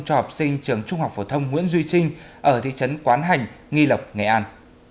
cho học sinh trường trung học phổ thông nguyễn duy trinh ở thị trấn quán hành nghi lộc nghệ an